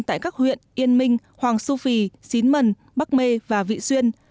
tại các huyện yên minh hoàng su phi xín mần bắc mê và vị xuyên